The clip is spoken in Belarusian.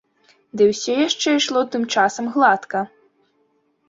Ды ўсё яшчэ ішло тым часам гладка.